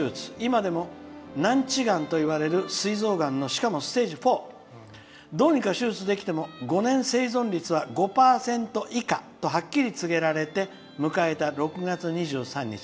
今でも難治がんといわれるすい臓がんのステージ４どうにか手術できても５年生存率は５％以下とはっきり告げられて迎えた６月２３日。